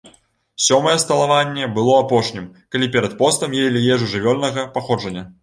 Сёмае сталаванне было апошнім, калі перад постам елі ежу жывёльнага паходжання.